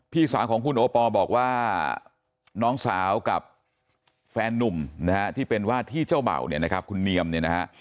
พี่สาวของคุณโอปอลบอกว่าน้องสาวกับแฟนนุ่มนะฮะที่เป็นว่าที่เจ้าเบ่าเนี่ยนะครับคุณเนียมเนี่ยนะฮะ